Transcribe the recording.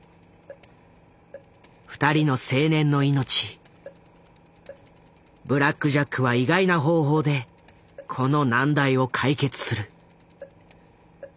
２人の青年の命ブラック・ジャックは意外な方法でこの難題を解決する。